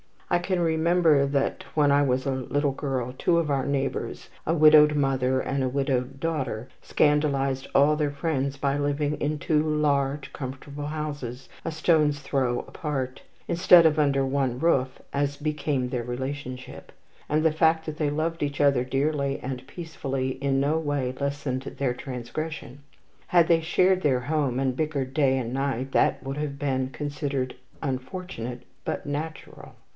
I can remember that, when I was a little girl, two of our neighbours, a widowed mother and a widowed daughter, scandalized all their friends by living in two large comfortable houses, a stone's throw apart, instead of under one roof as became their relationship; and the fact that they loved each other dearly and peacefully in no way lessened their transgression. Had they shared their home, and bickered day and night, that would have been considered unfortunate but "natural."